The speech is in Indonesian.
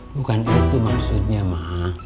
bukan itu maksudnya ma